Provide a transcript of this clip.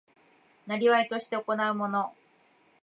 業として行うもの